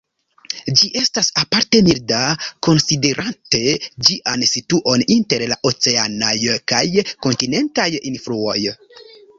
Ĝi estas aparte milda, konsiderante ĝian situon inter la oceanaj kaj kontinentaj influoj.